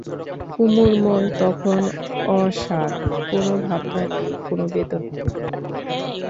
কুমুর মন তখন অসাড়, কোনো ভাবনা নেই, কোনো বেদনা নেই।